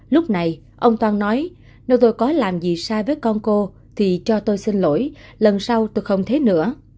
lúc này ông toan nói nơi tôi có làm gì sai với con cô thì cho tôi xin lỗi lần sau tôi không thế nữa